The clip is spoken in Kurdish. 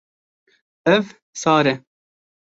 Ev sar e.